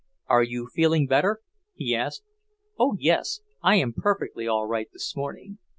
"Are you feeling better?" he asked. "Oh, yes! I am perfectly all right this morning.